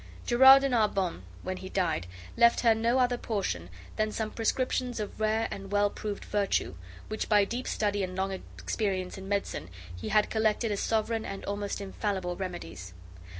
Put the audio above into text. Gerard de Narbon, when he died, left her no other portion than some prescriptions of rare and well proved virtue, which, by deep study and long experience in medicine, he had collected as sovereign and almost infallible remedies.